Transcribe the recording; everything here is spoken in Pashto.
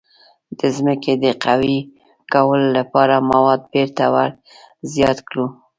د ځمکې د قوي کولو لپاره مواد بیرته ور زیات کړو.